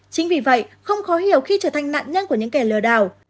chính vì vậy không khó hiểu khi trở thành nạn nhân của những kẻ lừa đảo